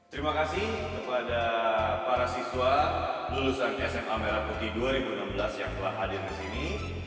terima kasih kepada para siswa lulusan sma merakuti dua ribu enam belas yang telah hadir kesini